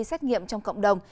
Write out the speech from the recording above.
xét nghiệm trong cộng đồng